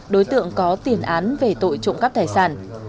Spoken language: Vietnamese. đối tượng có tiền án về tội trộm cắp tài sản